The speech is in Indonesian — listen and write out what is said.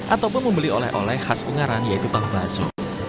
ataupun membeli oleh oleh khas ungaran yaitu tahu bakso